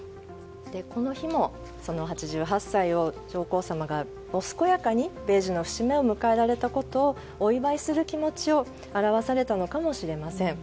この日も８８歳を上皇さまがお健やかに米寿の節目を迎えられたことをお祝いする気持ちを表されたのかもしれません。